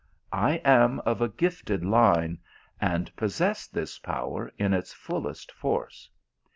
I am of a gifted line, and possess this power in its fullest force.